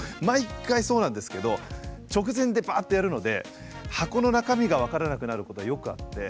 毎回そうなんですけど直前でバッとやるので箱の中身が分からなくなることはよくあって。